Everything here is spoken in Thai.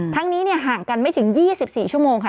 ทั้งนี้ห่างกันไม่ถึง๒๔ชั่วโมงค่ะ